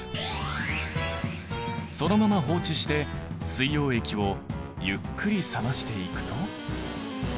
そのまま放置して水溶液をゆっくり冷ましていくと。